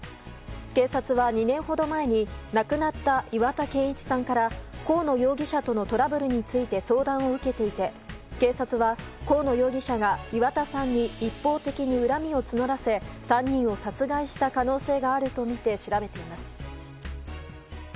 警察は、２年ほど前に亡くなった岩田健一さんから河野容疑者とのトラブルについて相談を受けていて警察は、河野容疑者が岩田さんに一方的に恨みを募らせ３人を殺害した可能性があるとみて調べています。